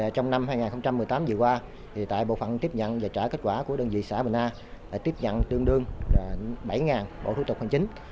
trong năm hai nghìn một mươi tám vừa qua tại bộ phận tiếp nhận và trả kết quả của đơn vị xã bình a tiếp nhận tương đương bảy bộ thủ tục hành chính